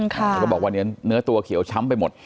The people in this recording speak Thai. แล้วก็บอกว่าเนื้อตัวเขียวช้ำไปหมด